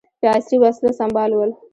په عصري وسلو سمبال ول.